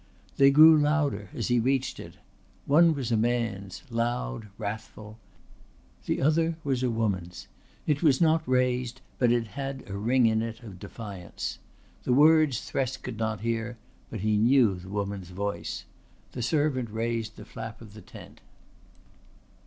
They grew louder as he reached it one was a man's, loud, wrathful, the other was a woman's. It was not raised but it had a ring in it of defiance. The words Thresk could not hear, but he knew the woman's voice. The servant raised the flap of the tent.